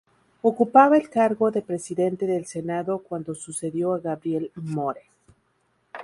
Ocupaba el cargo de presidente del Senado cuando sucedió a Gabriel Moore.